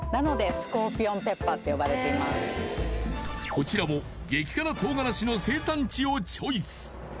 こちらも激辛唐辛子の生産地をチョイス